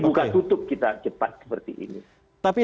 buka tutup kita cepat seperti ini